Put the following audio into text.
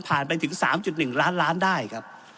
ไปถึง๓๑ล้านล้านได้ครับ